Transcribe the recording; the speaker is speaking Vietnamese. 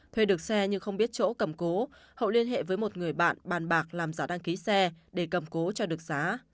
thuê được xe nhưng không biết chỗ cầm cố hậu liên hệ với một người bạn bàn bạc làm giả đăng ký xe để cầm cố cho được giá